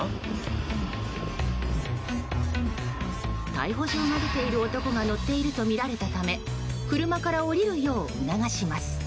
逮捕状が出ている男が乗っているとみられたため車から降りるよう促します。